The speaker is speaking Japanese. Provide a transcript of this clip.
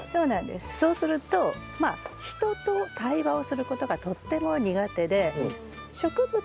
そうするとまあ人と対話をすることがとっても苦手で。